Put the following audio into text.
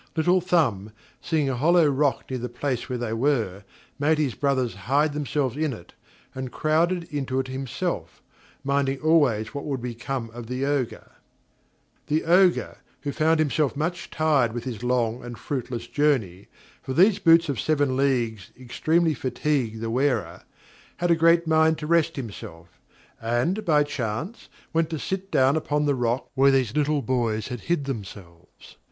Little Thumb, seeing a hollow rock near the place where they were, made his brothers hide themselves in it, and crowded into it himself, minding always what would become of the Ogre. [Footnote 5: That is, 'channels.'] The Ogre, who found himself much tired with his long and fruitless journey (for these boots of seven leagues extremely fatigue the wearer), had a great mind to rest himself, and, by chance, went to sit down upon the rock where these little boys had hid themselves.